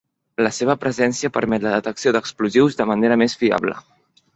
La seva presència permet la detecció d'explosius de manera més fiable.